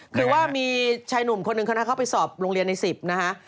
คือว่ามีชายหนุ่มคนหนึ่งคณะเข้าไปสอบโรงเรียนใน๑๐นะฮะ